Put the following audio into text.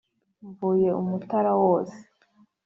mvuye u mutara wose